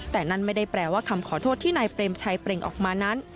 แต่นั่นไม่ได้แปลว่าคำขอโทษที่นายเปรมชัยเปล่งออกมานั้น